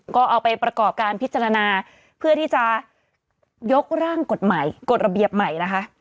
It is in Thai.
ก็เอาไปประกอบการพิจารณาเพื่อที่จะยกร่างกฎหมายกฎระเบียบใหม่นะคะ